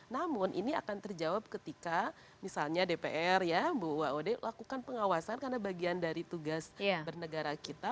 namun ini akan terjawab ketika misalnya dpr ya mbak ode lakukan pengawasan karena bagian dari tugas bernegara kita